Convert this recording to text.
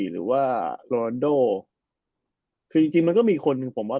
หรือว่าลอรอนโดคือจริงมันก็มีคนคือผมว่า